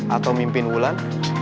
atau mimpin wulan